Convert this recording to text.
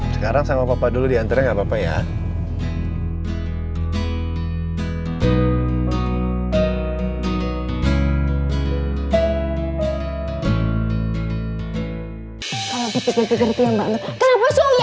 sekarang sama papa dulu diantre gak apa apa ya